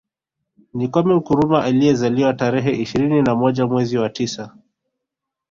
Ni Kwame Nkrumah aliyezaliwa tarehe ishirini na moja mwezi wa tisa